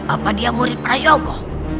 apa dia murid prayogo